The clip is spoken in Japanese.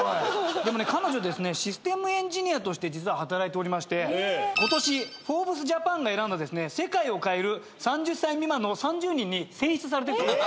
でもね彼女システムエンジニアとして実は働いておりましてことし『ＦｏｒｂｅｓＪＡＰＡＮ』が選んだ世界を変える３０歳未満の３０人に選出されてるそうです。